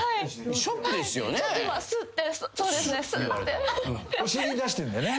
ショックですよね？